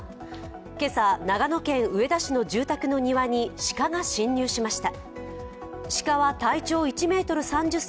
今朝、長野県上田市の住宅の庭に鹿が侵入しました。